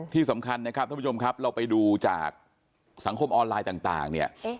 ที่สำคัญนะครับท่านผู้ชมครับเราไปดูจากสังคมออนไลน์ต่างเนี่ย